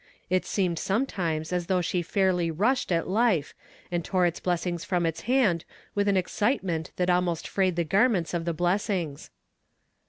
It seemed sometimes as though she fairly rushed at life, and tore its blessings from its hand with an excitement that almost frayed the garments of the blessings.